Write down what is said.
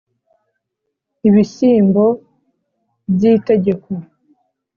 ibishyimbo by'itegeko